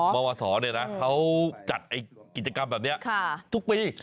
วศเขาจัดกิจกรรมแบบนี้ทุกปี